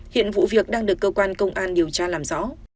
hiện vụ việc đang được cơ quan công an điều tra làm rõ